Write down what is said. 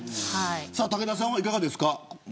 武田さんはいかがですか。